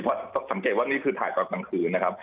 เพราะสังเกตว่านี่คือถ่ายตอนกลางคืนนะครับ